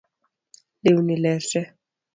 Lewni ler tee